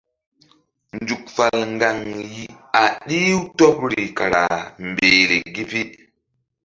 Nzuk fal ŋgaŋ a ɗih-u tɔbri kara mbehle gi pi.